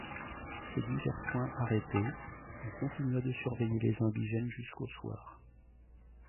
Ces divers points arrêtés, on continua de surveiller les indigènes jusqu’au soir.